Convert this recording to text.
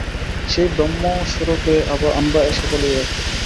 সেই ব্রহ্মস্বরূপে আমরা সকলেই এক।